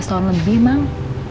seharusnya lebih mang